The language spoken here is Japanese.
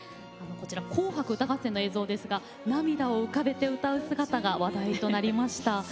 こちら「紅白歌合戦」の映像ですが涙を浮かべて歌う姿が話題となりました。